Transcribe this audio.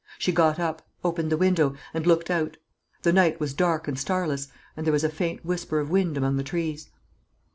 She got up, opened the window, and looked out. The night was dark and starless, and there was a faint whisper of wind among the trees.